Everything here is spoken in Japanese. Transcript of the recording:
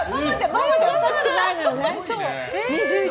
ママでもおかしくないのよね！